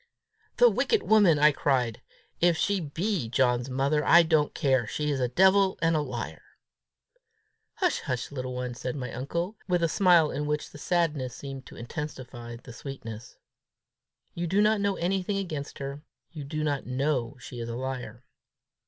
"The wicked woman!" I cried. "If she be John's mother, I don't care: she's a devil and a liar!" "Hush, hush, little one!" said my uncle, with a smile in which the sadness seemed to intensify the sweetness; "you do not know anything against her! You do not know she is a liar!"